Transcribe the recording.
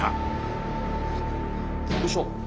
よいしょ。